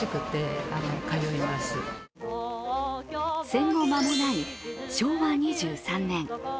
戦後間もない昭和２３年。